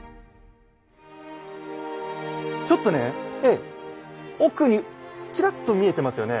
ちょっとね奥にちらっと見えてますよね。